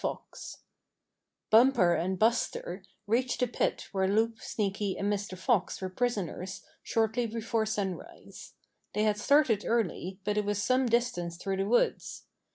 FOX Bumper and Buster reached the pit where Loup, Sneaky and Mr. Fox were prisoners shortly before sunrise. They had started early, but it was some distance through the woods.